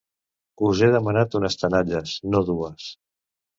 Us he demanat unes tenalles, no dues.